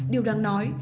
điều đáng nói